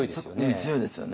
強いですよね。